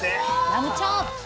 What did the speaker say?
ラムチョーップ！